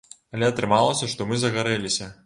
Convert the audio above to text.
Але атрымалася, што мы загарэліся.